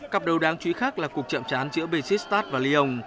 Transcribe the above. cặp đấu đáng chú ý khác là cuộc trạm trán giữa besiktas và lyon